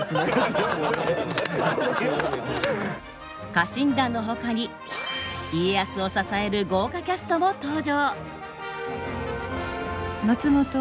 家臣団のほかに家康を支える豪華キャストも登場！